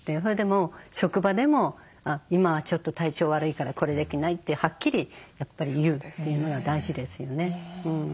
それで職場でも「今はちょっと体調悪いからこれできない」ってはっきりやっぱり言うというのが大事ですよね。